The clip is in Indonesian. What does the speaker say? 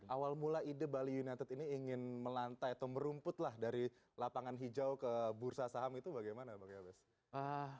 awal mula ide bali united ini ingin melantai atau merumputlah dari lapangan hijau ke bursa saham itu bagaimana bang yobes